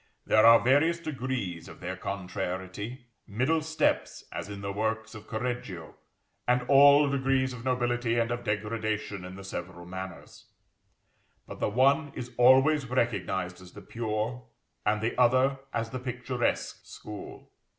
There are various degrees of their contrariety: middle steps, as in the works of Correggio, and all degrees of nobility and of degradation in the several manners: but the one is always recognised as the pure, and the other as the picturesque school.